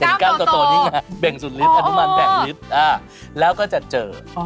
เห็นก้ามโตโตนี่ไงเบ่งสุดฤทธิ์อนุมารแผงฤทธิ์แล้วก็จะเจอ